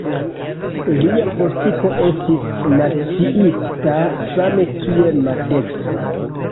Lia politiko estis naciista same kiel maldekstra.